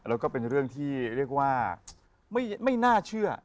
แล้วก็เป็นเรื่องที่เรียกว่าไม่น่าเชื่อ